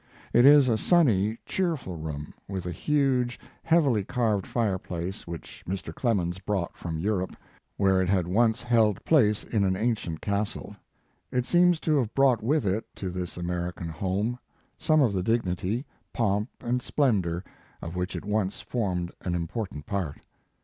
It is a sunny, cheerful room, with a huge, heavily carved fireplace which Mr. Clemens brought from Europe, where it had once held place in an ancient castle; it seems to have brought with it to this American home some of the dignity, pomp and vsplendor of which it once formed an im portant part.